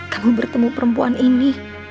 kamu bertemu perempuan ini